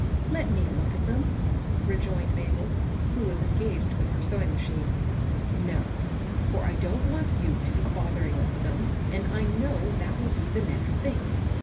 " Let me look at them," rejoined Mabel, who was engaged with her sewing machine. No ; for I don't want you to be bothering over them, and I know that will be the next thing.